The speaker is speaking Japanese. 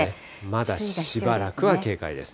まだしばらくは警戒です。